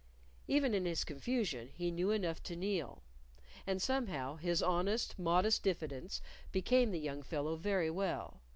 Even in his confusion he knew enough to kneel, and somehow his honest, modest diffidence became the young fellow very well.